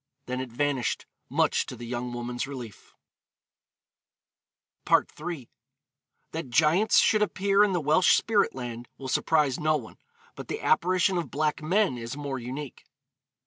Then it vanished, much to the young woman's relief. FOOTNOTE: Jones, 'Apparitions.' III. That giants should appear in the Welsh spirit land will surprise no one, but the apparition of black men is more unique.